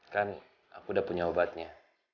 kan aku udah punya obatnya